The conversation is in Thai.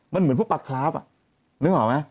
มันเหมือนพวกปลาคราฟนึกออกไหม